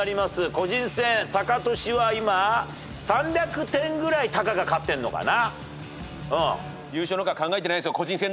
個人戦タカトシは今３００点ぐらいタカが勝ってんのかな。